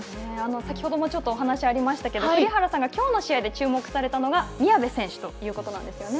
先ほどもちょっとお話がありましたけれども、栗原さんがきょうの試合で注目されたのが、宮部選そうなんです。